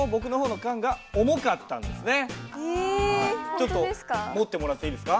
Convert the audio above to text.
ちょっと持ってもらっていいですか？